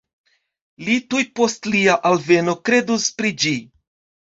Li tuj post lia alveno kredus pri ĝi